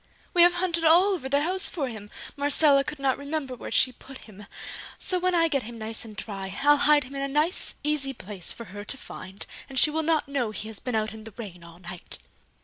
"We have hunted all over the house for him! Marcella could not remember where she put him; so when I get him nice and dry, I'll hide him in a nice easy place for her to find, and she will not know he has been out in the rain all night!"